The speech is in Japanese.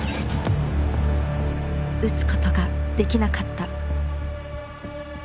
打つことができなかった。